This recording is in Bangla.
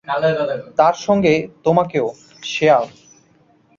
তার সঙ্গে তোমাকেও, শেয়াল।